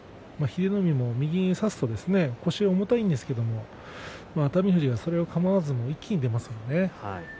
英乃海も右を差すと腰が重たいんですけれども熱海富士が、それをかまわずに一気に出ますよね。